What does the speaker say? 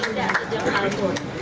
tidak sejam kaldu